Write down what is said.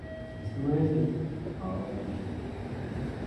Iwendi? Mowendi!